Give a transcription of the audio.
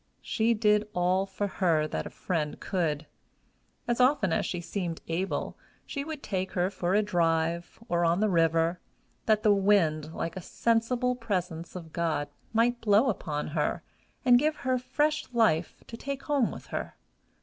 She did all for her that friend could. As often as she seemed able, she would take her for a drive, or on the river, that the wind, like a sensible presence of God, might blow upon her, and give her fresh life to take home with her.